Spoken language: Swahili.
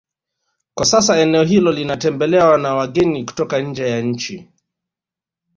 Kwa sasa eneo hilo linatembelewa na wageni kutoka nje ya nchi